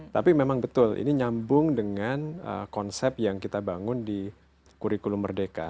tapi memang betul ini nyambung dengan konsep yang kita bangun di kurikulum merdeka